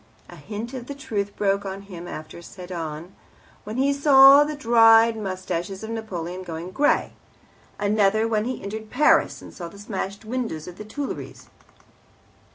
A hint of the truth broke on him after Sedan, when he saw the dyed moustaches of Napoleon going grey; another when he entered Paris, and saw the smashed windows of the Tuileries.